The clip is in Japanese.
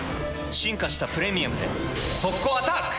進化した「プレミアム」で速攻アタック！